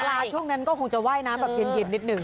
เวลาช่วงนั้นก็คงจะว่ายน้ำแบบเย็นนิดหนึ่ง